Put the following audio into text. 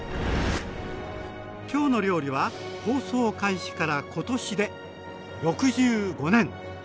「きょうの料理」は放送開始から今年で６５年。